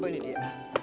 oh ini dia